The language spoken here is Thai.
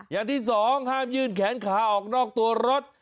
อย่างที่สองห้ามยื่นแขนขาออกนอกตัวรถ